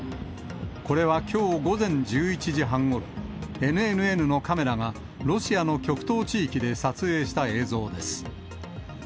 これはきょう午前１１時半ごろ、ＮＮＮのカメラが、ロシアの極東地域で撮影した映像です。